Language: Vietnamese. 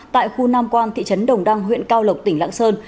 tại khu nam quan thị trấn đồng đăng huyện cao lộc tỉnh lạng sơn